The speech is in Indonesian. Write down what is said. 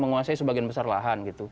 menguasai sebagian besar lahan gitu